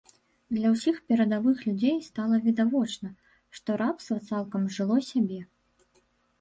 Для ўсіх перадавых людзей стала відавочна, што рабства цалкам зжыло сябе.